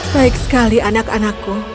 baik sekali anak anakku